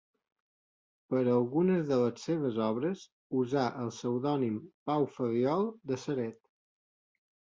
Per a algunes de les seves obres, usà el pseudònim Pau Ferriol de Ceret.